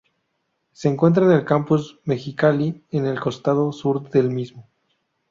Se encuentra en el Campus Mexicali, en el costado sur del mismo.